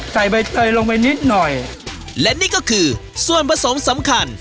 ใบเตยลงไปนิดหน่อยและนี่ก็คือส่วนผสมสำคัญ